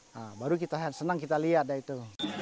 nah baru kita senang kita lihat ya itu